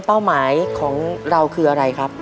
เป้าหมายของเราคืออะไรครับ